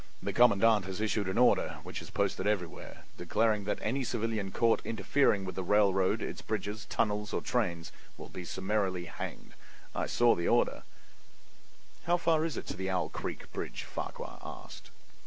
The commandant has issued an order, which is posted everywhere, declaring that any civilian caught interfering with the railroad, its bridges, tunnels, or trains will be summarily hanged. I saw the order." "How far is it to the Owl Creek bridge?" Farquhar asked.